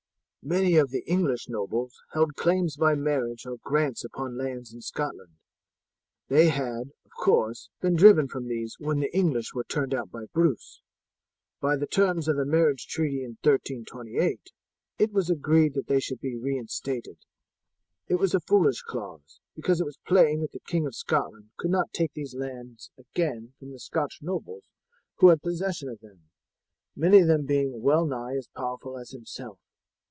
"Many of the English nobles held claims by marriage or grants upon lands in Scotland. They had, of course, been driven from these when the English were turned out by Bruce. By the terms of the marriage treaty in 1328 it was agreed that they should be reinstated. It was a foolish clause, because it was plain that the King of Scotland could not take these lands again from the Scotch nobles who had possession of them, many of them being well nigh as powerful as himself.